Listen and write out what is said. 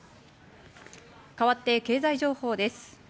かわって経済情報です。